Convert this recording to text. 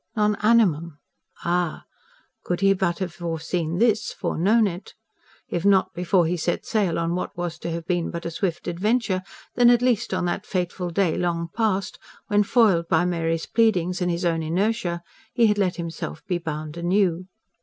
"Non animum"? Ah! could he but have foreseen this foreknown it. If not before he set sail on what was to have been but a swift adventure, then at least on that fateful day long past when, foiled by Mary's pleadings and his own inertia, he had let himself be bound anew.